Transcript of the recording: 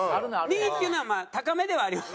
２位っていうのは高めではあります。